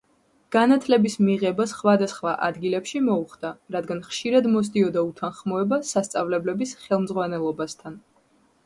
განათლების მიღება სხვადასხვა ადგილებში მოუხდა, რადგან ხშირად მოსდიოდა უთანხმოება სასწავლებლების ხელმძღვანელობასთან.